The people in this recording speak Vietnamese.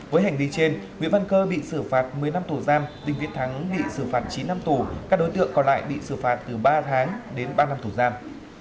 với hành vi trên nguyễn văn cơ bị xử phạt một mươi năm tù giam đinh việt thắng bị xử phạt chín năm tù các đối tượng còn lại bị xử phạt từ ba tháng đến ba năm tù giam